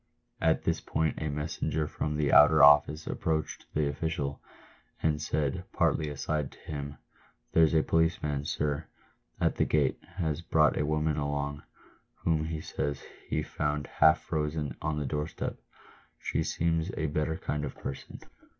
At this point a messenger from the outer office approached the official, and said, partly aside to him, " There's a policeman, sir, at the gate, has brought a woman along, whom he says he found half frozen on a door step. She seems a better kind of person."